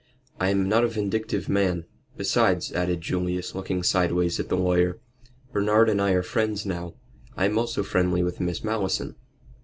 I am not a vindictive man. Besides," added Julius, looking sideways at the lawyer, "Bernard and I are friends now. I am also friendly with Miss Malleson."